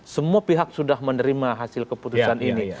semua pihak sudah menerima hasil keputusan ini